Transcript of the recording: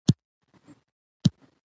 انګریزان په دې نه پوهېدل.